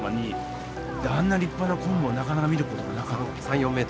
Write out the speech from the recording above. あんな立派なコンブはなかなか見ることがなかったんです。